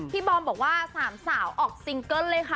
พี่บอลบอกว่า๓สาวออกซิงเกิ้ลเลย